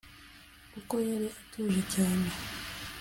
kuko yari atuje cyane